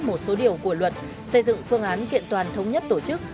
một số điều của luật xây dựng phương án kiện toàn thống nhất tổ chức